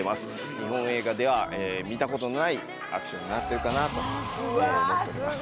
日本映画では見たことのないアクションになってるかなぁと思っております。